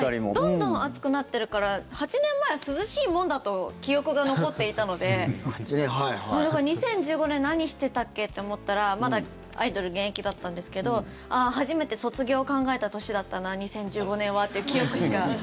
どんどん暑くなってるから８年前、涼しいもんだと記憶が残っていたので２０１５年何してたっけ？って思ったらまだアイドル現役だったんですけど初めて卒業を考えた年だったな２０１５年はという記憶しか。